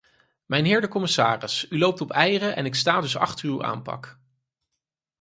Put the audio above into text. Mijnheer de commissaris, u loopt op eieren en ik sta dus achter uw aanpak.